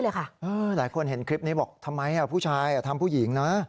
หลายคนเห็นคลิปนี้บอกทำไมผู้ชายทำผู้หญิงนะ